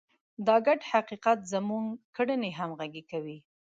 دا ګډ حقیقت زموږ کړنې همغږې کوي.